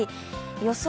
予想